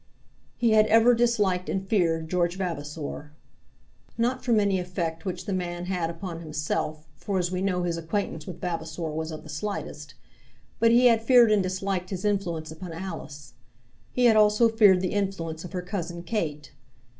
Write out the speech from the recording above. He had ever disliked and feared George Vavasor; not from any effect which the man had upon himself, for as we know his acquaintance with Vavasor was of the slightest; but he had feared and disliked his influence upon Alice. He had also feared the influence of her cousin Kate.